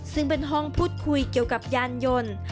ซึ่งเป็นห้องพูดคุยเกี่ยวกับยานยนต์